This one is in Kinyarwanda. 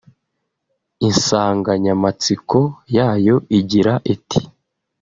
Insanganyamatsiko yayo igira iti